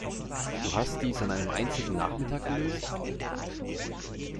Du hast dies an einem einzigen Nachmittag gelöst?